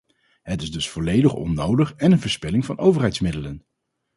Het is dus volledig onnodig en een verspilling van overheidsmiddelen.